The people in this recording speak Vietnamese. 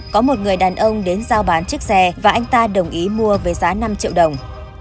có một người đàn ông đến giao bán chiếc xe và anh ta đồng ý mua với giá năm triệu đồng